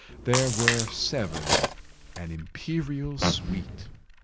There were seven—an imperial suite.